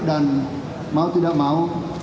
dan mau tidak mau